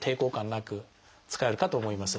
なく使えるかと思います。